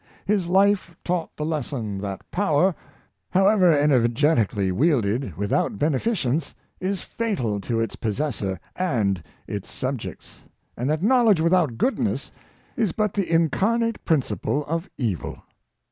His life taught the lesson that power, however energetically wielded, with out beneficience, is fatal to its possessor and its subjects; and that knowledge without goodness, is but the incar nate principle of evil.